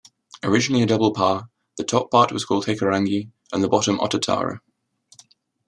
Originally a double pa, the top part was called Hikurangi and the bottom Otatara.